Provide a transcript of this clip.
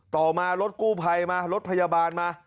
ต่อมารถกู้ภัยมารถพยาบาลมา